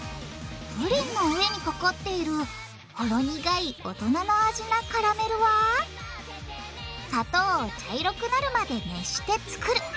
プリンの上にかかっているほろ苦い大人の味なカラメルは砂糖を茶色くなるまで熱してつくる。